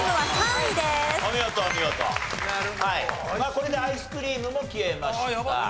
これでアイスクリームも消えました。